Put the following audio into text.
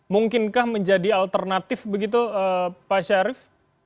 mungkinkah menjadi alternatif begitu pak syarif